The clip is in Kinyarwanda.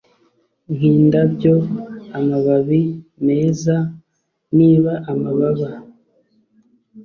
nkindabyo amababi meza Niba amababa